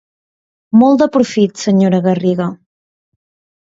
Molt de profit, senyora Garriga.